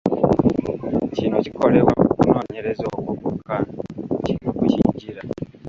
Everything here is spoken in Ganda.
Kino kikolebwa ku kunooyereza okwo kwokka kino kwe kijjira.